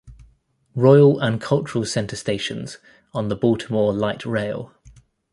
Royal and Cultural Center stations on the Baltimore Light Rail.